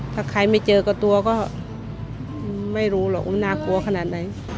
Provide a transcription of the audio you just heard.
ถ้าใครไม่เจอกับตัวก็ไม่รู้หรอกว่าน่ากลัวขนาดไหน